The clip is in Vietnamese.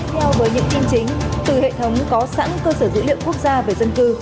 theo với những tin chính từ hệ thống có sẵn cơ sở dữ liệu quốc gia về dân cư